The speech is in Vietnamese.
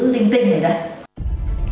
linh tinh này đấy